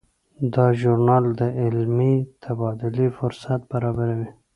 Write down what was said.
دا ژورنال د علمي تبادلې فرصت برابروي.